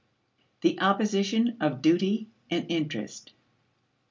The Opposition of Duty and Interest.